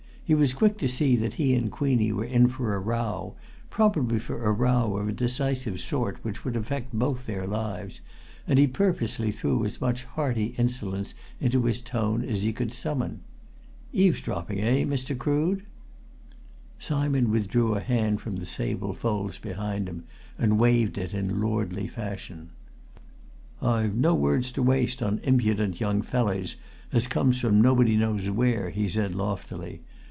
He was quick to see that he and Queenie were in for a row, probably for a row of a decisive sort which would affect both their lives, and he purposely threw as much hearty insolence into his tone as he could summon. "Eavesdropping, eh, Mr. Crood?" Simon withdrew a hand from the sable folds behind him, and waved it in lordly fashion. "I've no words to waste on impudent young fellers as comes from nobody knows where," he said loftily.